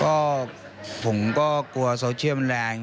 ก็ผมก็กลัวโซเชียลมันแรง